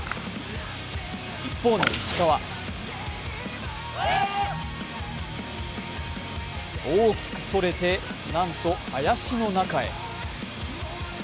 一方の石川、大きくそれて、なんと林の中へ。